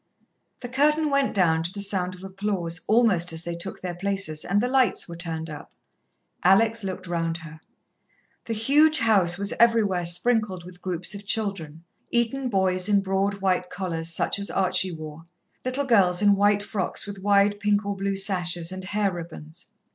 The curtain went down to the sound of applause almost as they took their places, and the lights were turned up. Alex looked round her. The huge house was everywhere sprinkled with groups of children Eton boys in broad, white collars such as Archie wore, little girls in white frocks with wide pink or blue sashes and hair ribbons.